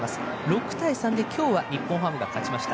６対３で今日は日本ハムが勝ちました。